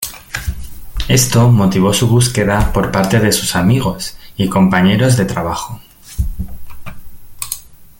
Esto motivó su búsqueda por parte de sus amigos y compañeros de trabajo.